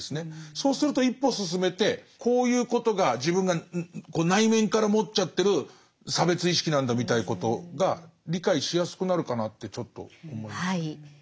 そうすると一歩進めてこういうことが自分がこう内面から持っちゃってる差別意識なんだみたいなことが理解しやすくなるかなってちょっと思いました。